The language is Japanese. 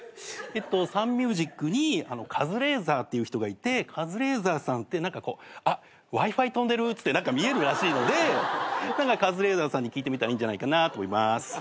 えっとサンミュージックにカズレーザーっていう人がいてカズレーザーさんって「Ｗｉ−Ｆｉ飛んでる」っつって何か見えるらしいのでカズレーザーさんに聞いてみたらいいんじゃないかなと思います。